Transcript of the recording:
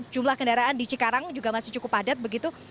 jumlah kendaraan di cikarang juga masih cukup padat begitu